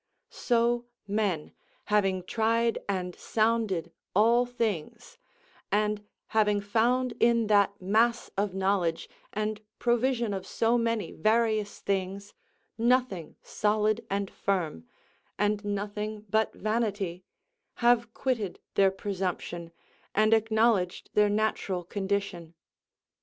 So men, having tried and sounded all things, and having found in that mass of knowledge, and provision of so many various things, nothing solid and firm, and nothing but vanity, have quitted their presumption, and acknowledged their natural condition.